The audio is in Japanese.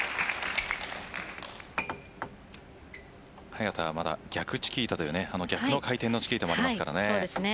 早田はまだ逆チキータという逆の回転のチキータもあります。